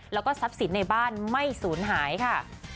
แล้วก็ทรัพย์สินในบ้านไม่สูญหายค่ะ